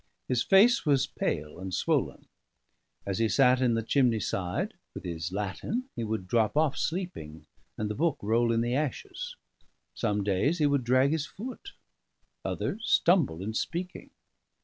His face was pale and swollen; as he sat in the chimney side with his Latin, he would drop off sleeping and the book roll in the ashes; some days he would drag his foot, others stumble in speaking.